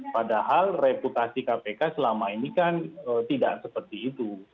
padahal reputasi kpk selama ini kan tidak seperti itu